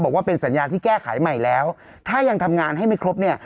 บอกว่าเป็นสัญญาที่แก้ไขใหม่แล้วถ้ายังทำงานให้ไม่ครบเนี่ย